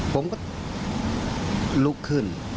ผมก็ลุก